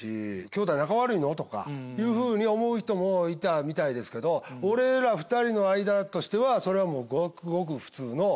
兄弟仲悪いの？とか思う人もいたみたいですけど俺ら２人の間としてはそれはごくごく普通の。